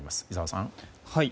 井澤さん。